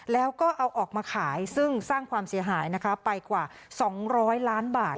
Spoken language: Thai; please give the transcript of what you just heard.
แล้วก็เอาออกมาขายซึ่งสร้างความเสียหายนะคะไปกว่า๒๐๐ล้านบาท